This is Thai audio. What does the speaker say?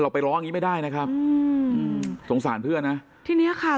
ไปร้องอย่างงี้ไม่ได้นะครับอืมสงสารเพื่อนนะทีเนี้ยค่ะ